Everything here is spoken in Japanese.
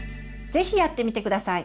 是非やってみて下さい。